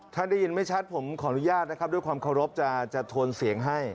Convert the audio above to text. ถ้าได้ยินไม่ชัดผมขออนุญาตนะครับด้วยความเคารพจะโทนเสียงให้